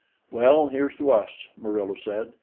"Well, here's to us," Murillo said.